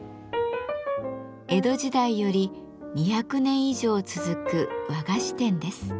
江戸時代より２００年以上続く和菓子店です。